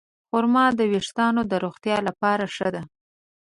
خرما د ویښتو د روغتیا لپاره ښه ده.